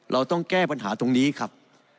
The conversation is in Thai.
เราต้องแก้ปัญหาตรงนี้ครับ